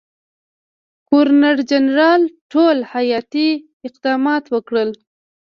ګورنرجنرال ټول احتیاطي اقدامات وکړل.